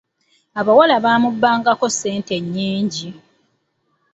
Abawala baamubbangako ssente nyingi!